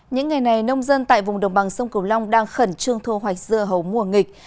những ngày này nông dân tại vùng đồng bằng sông cửu long đang khẩn trương thu hoạch dưa hấu mùa nghịch